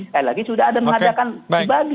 sekali lagi sudah ada mengadakan dibagi